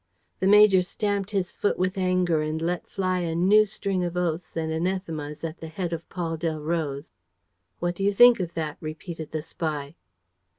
The major stamped his foot with anger and let fly a new string of oaths and anathemas at the head of Paul Delroze. "What do you think of that?" repeated the spy.